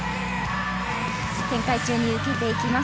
転回中に受けにいきます。